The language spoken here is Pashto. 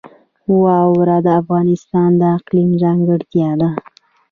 واوره د افغانستان د اقلیم ځانګړتیا ده.